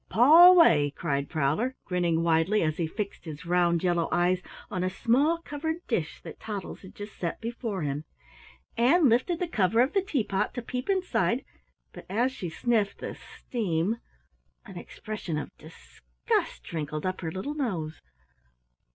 "Paw away!" cried Prowler, grinning widely as he fixed his round yellow eyes on a small covered dish that Toddles had just set before him. Ann lifted the cover of the tea pot to peep inside but as she sniffed the steam an expression of disgust wrinkled up her little nose.